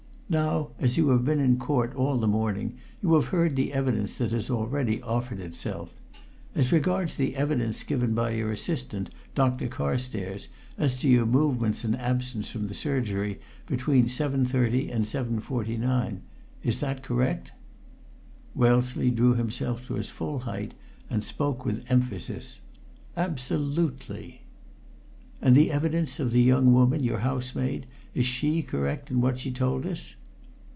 Now, as you have been in Court all the morning, you have heard the evidence that has already offered itself. As regards the evidence given by your assistant, Dr. Carstairs, as to your movements and absence from the surgery between 7.30 and 7.49 is that correct?" Wellesley drew himself to his full height, and spoke with emphasis: "Absolutely!" "And the evidence of the young woman, your housemaid? Is she correct in what she told us?"